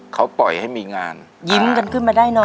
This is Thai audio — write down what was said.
เขาปล่อยให้มีงานยิ้มกันขึ้นมาได้น้อย